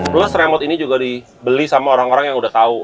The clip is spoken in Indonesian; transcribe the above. plus remote ini juga dibeli sama orang orang yang udah tahu